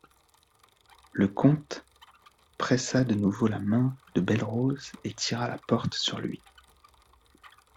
Le comte pressa de nouveau la main de Belle-Rose et tira la porte sur lui.